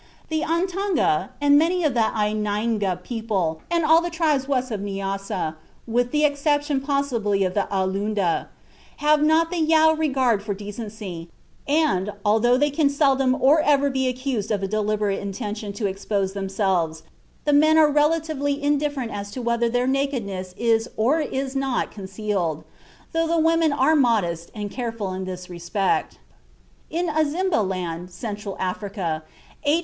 The Atonga and many of the A nyanga people, and all the tribes west of Nyassa (with the exception possibly of the A lunda) have not the Yao regard for decency, and, although they can seldom or ever be accused of a deliberate intention to expose themselves, the men are relatively indifferent as to whether their nakedness is or is not concealed, though the women are modest and careful in this respect." (H.H. Johnston, British Central Africa, 1897, pp. 408 419.) In Azimba land, Central Africa, H.